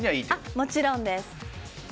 もちろんです。